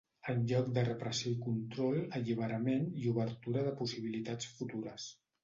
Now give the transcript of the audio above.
En lloc de repressió i control, alliberament i obertura de possibilitats futures.